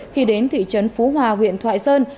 khi đến thị trấn phú hòa huyện thoại sơn